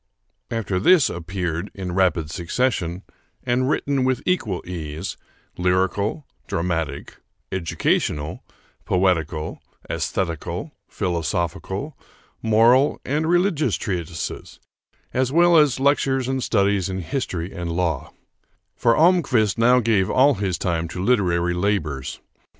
After this appeared in rapid succession, and written with equal ease, lyrical, dramatic, educational, poetical, aesthetical, philosophical, moral, and religious treatises, as well as lectures and studies in history and law; for Almquist now gave all his time to literary labors.